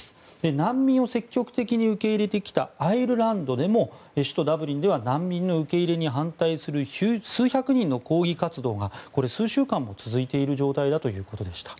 難民を積極的に受け入れてきたアイルランドでも首都ダブリンでは難民の受け入れに反対する数百人の抗議活動が数週間も続いている状態だということでした。